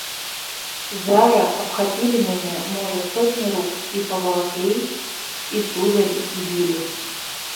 Зара абхапілі мяне, можа, сотні рук, і павалаклі, і тузалі, і білі.